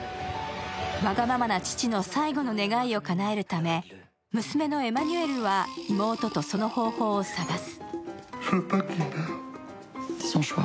わがままな父の最後の願いをかなえるため娘のエマニュエルは妹とその方法を探す。